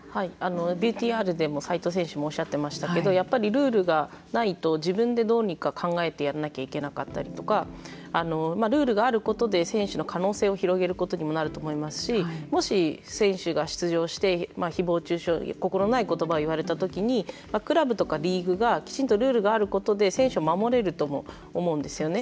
ＶＴＲでも齊藤選手もおっしゃっていましたけどやっぱりルールがないと自分でどうにか考えてやんなきゃいけなかったりとかルールがあることで選手の可能性を広げることにもなると思いますしもし、選手が出場してひぼう中傷心ない言葉を言われたときにクラブとかリーグがきちんとルールがあることで選手を守れるとも思うんですよね。